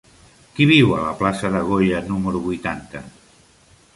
Qui viu a la plaça de Goya número vuitanta?